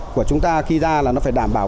của chúng ta khi ra là nó phải đảm bảo